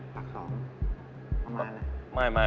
ปลาก๒ประมาณล่ะ